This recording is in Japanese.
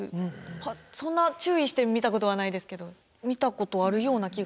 そんな注意して見たことはないですけど見たことあるような気が。